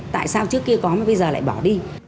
tại sao trước kia có mà bây giờ lại bỏ đi